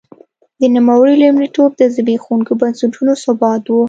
د نوموړي لومړیتوب د زبېښونکو بنسټونو ثبات و.